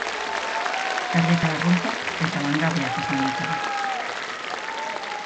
Herritar arruntak eta langabeak izan ditugu.